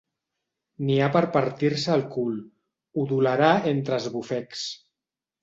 N'hi ha per partir-se el cul —udolarà entre esbufecs.